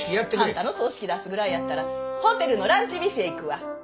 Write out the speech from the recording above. あんたの葬式出すぐらいやったらホテルのランチビュッフェ行くわ。